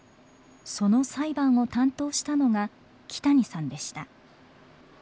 その裁判を担当したのが木谷さんでした。